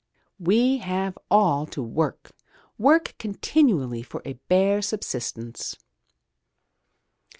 "We have all to work, work continually for a bare subsistence."